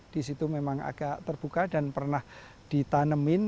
di situ memang agak terbuka dan pernah ditanemin